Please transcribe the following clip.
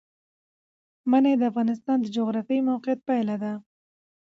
منی د افغانستان د جغرافیایي موقیعت پایله ده.